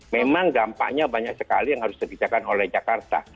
memang dampaknya banyak sekali yang harus dikerjakan oleh jakarta